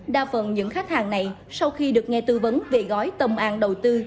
đa phần những khách hàng này sau khi được nghe tư vấn về gói tâm an đầu tư